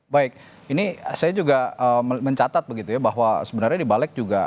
baik ini saya juga mencatat begitu ya bahwa sebenarnya di balik juga